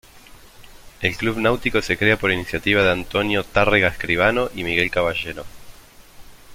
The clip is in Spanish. El Club Náutico se crea por iniciativa de Antonio Tárrega Escribano y Miguel Caballero.